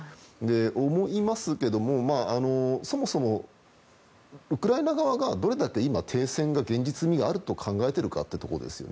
思いますけれどもそもそもウクライナ側がどれだけ停戦が現実味があると考えているかということですね。